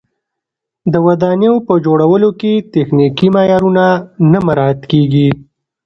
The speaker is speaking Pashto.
د ودانیو په جوړولو کې تخنیکي معیارونه نه مراعت کېږي.